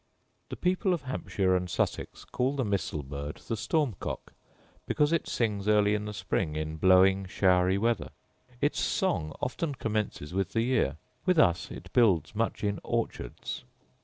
The people of Hampshire and Sussex call the missel bird the storm cock, because it sings early in the spring in blowing showery weather; its song often commences with the year: with us it builds much in orchards.